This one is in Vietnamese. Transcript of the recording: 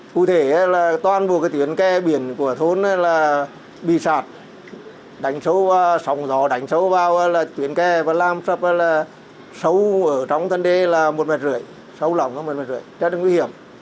cụ thể là toàn bộ cái tuyến kè biển của thôn là bị sạt đánh sâu sọng gió đánh sâu vào là tuyến kè và làm sắp là sâu ở trong thân đê là một năm mét sâu lỏng là một năm mét rất là nguy hiểm